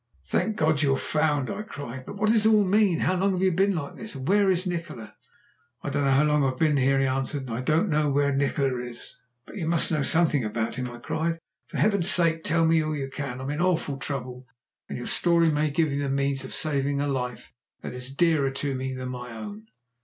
"Thank God you're found!" I cried. "But what does it all mean? How long have you been like this? and where is Nikola?" "I don't know how long I've been here," he answered, "and I don't know where Nikola is." "But you must know something about him!" I cried. "For Heaven's sake tell me all you can! I'm in awful trouble, and your story may give me the means of saving a life that is dearer to me than my own."